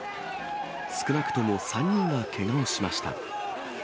少なくとも３人がけがをしました。